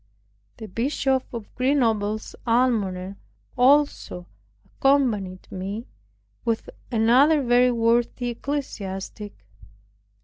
The Bishop of Grenoble's Almoner also accompanied me, with another very worthy ecclesiastic.